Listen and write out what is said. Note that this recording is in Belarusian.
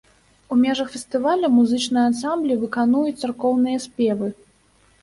У межах фестывалю музычныя ансамблі выканаюць царкоўныя спевы.